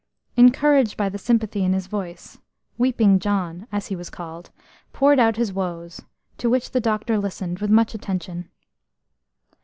Encouraged by the sympathy in his voice, "Weeping John," as he was called, poured out his woes, to which the doctor listened with much attention.